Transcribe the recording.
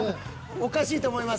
おかしいと思います。